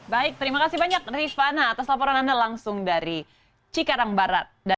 baik terima kasih banyak rifana atas laporan anda langsung dari cikarang barat